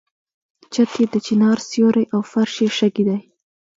چت یې د چنار سیوری او فرش یې شګې دي.